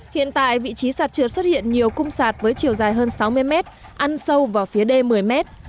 hiện tại vị trí sạt trượt xuất hiện nhiều cung sạt với chiều dài hơn sáu mươi mét ăn sâu vào phía đê một mươi mét